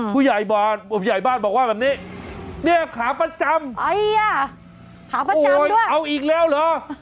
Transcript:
ผู้ใหญ่บ้านบอกว่าแบบนี้เนี่ยขาประจำขาประจำด้วยโอ้ยเอาอีกแล้วเหรอ